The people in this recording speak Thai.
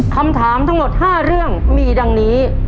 คำถามทั้งหมด๕เรื่องมีดังนี้